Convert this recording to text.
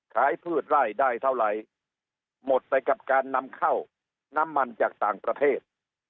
พืชไล่ได้เท่าไหร่หมดไปกับการนำเข้าน้ำมันจากต่างประเทศ